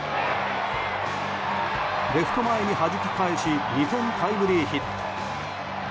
レフト前にはじき返し２点タイムリーヒット。